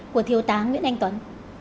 của thiếu tá nguyễn anh tuấn